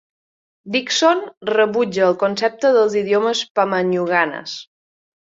Dixon rebutja el concepte dels idiomes pama-nyunganes.